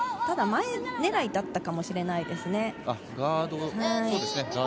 ただ、前狙いだったかもしれないですね。